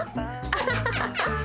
アハハハハ！